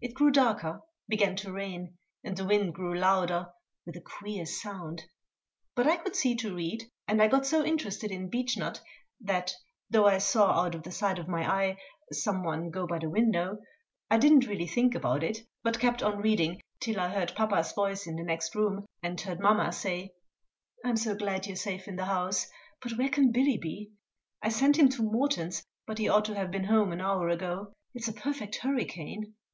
It grew darker, began to rain, and the wind grew louder, with a queer sound; but I could see to read, and I got so interested in Beechnut that, though I saw out of the side of my eye some one go by the window, I did not really think about it, but kept on reading till I heard papa's voice in the next room, and heard mamma say: "I'm so glad you're safe in the house; but where can Billy be? I sent him to Morton's, but he ought to have been home an hour ago. It's a perfect hurricane!"